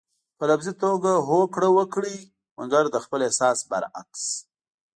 په لفظي توګه هوکړه وکړئ مګر د خپل احساس برعکس.